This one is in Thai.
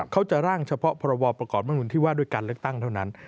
เขาจะร่างเฉพาะพรบประกอบมนุนที่ว่าด้วยการเลือกตั้งเท่านั้น